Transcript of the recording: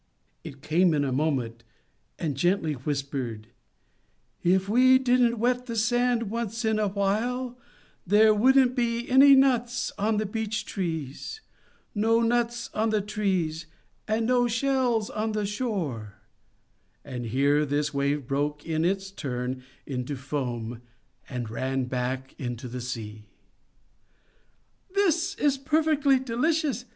It came in a moment, and gently whispered, "If we didn't wet the sand once in a while there wouldn't be any nuts on the beach trees, no nuts on the trees, and no shells on the shore;" and here this Wave broke in its turn into foam, and ran back into the sea. "This is perfectly delicious!"